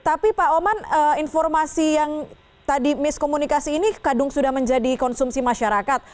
tapi pak oman informasi yang tadi miskomunikasi ini kadung sudah menjadi konsumsi masyarakat